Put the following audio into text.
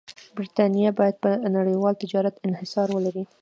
برېټانیا باید پر نړیوال تجارت انحصار ولري.